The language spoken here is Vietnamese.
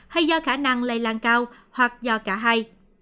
hay do khả năng lây lan cao hoặc do cả hai